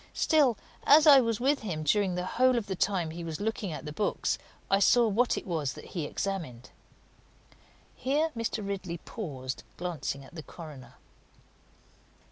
Still, as I was with him during the whole of the time he was looking at the books, I saw what it was that he examined." Here Mr. Ridley paused, glancing at the coroner.